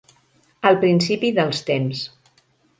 El principi dels temps.